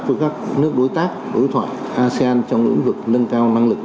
với các nước đối tác đối thoại asean trong lĩnh vực nâng cao năng lực